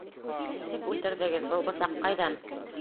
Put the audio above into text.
— Нисек үлтерҙегеҙ, был бысаҡ ҡайҙан?